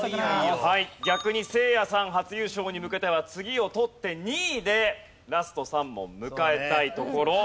逆にせいやさん初優勝に向けては次を取って２位でラスト３問迎えたいところ。